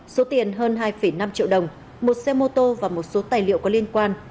số tiền hơn hai năm triệu đồng một xe mô tô và một số tài liệu có liên quan